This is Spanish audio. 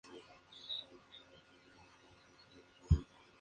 Está bajo la protección de la autoridad portuaria de La Coruña.